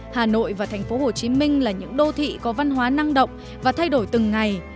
hà nội và tp hcm là những đô thị có văn hóa năng động và thay đổi từng ngày